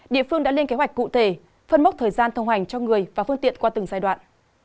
địa phương đã lên kế hoạch cụ thể phân mốc thời gian thông hành cho người và phương tiện qua từng giai đoạn